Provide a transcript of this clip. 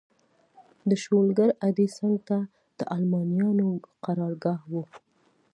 د شولګر اډې څنګ ته د المانیانو قرارګاه وه.